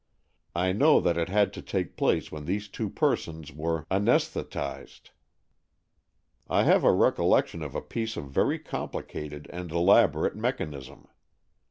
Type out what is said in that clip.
I know that it had to take place when these two persons were anaesthetized. I have a recollection of a piece of very complicated and elaborate mechanism.